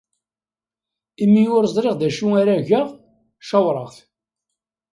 Imi ur ẓriɣ d acu ara geɣ, cawṛeɣ-t.